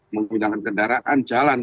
menggunakan kendaraan jalan